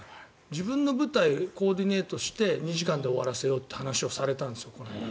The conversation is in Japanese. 自分の舞台をコーディネートして２時間で終わらせようというお話をされたんですよ。